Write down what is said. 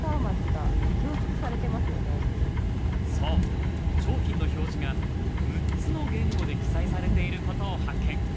そう、商品の表示が６つの言語で記載されていることを発見。